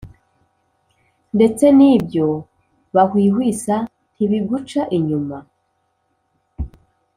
ndetse n’ibyo bahwihwisa ntibiguca inyuma.